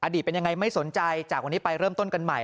เป็นยังไงไม่สนใจจากวันนี้ไปเริ่มต้นกันใหม่